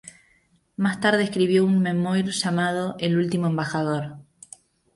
Más tarde escribió un memoir llamado El Último Embajador.